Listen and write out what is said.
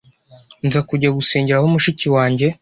nza kujya gusengera aho mushiki wanjye